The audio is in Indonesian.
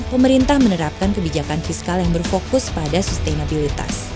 pemerintah menerapkan kebijakan fiskal yang berfokus pada sustenabilitas